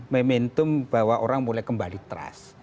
momentum bahwa orang mulai kembali trust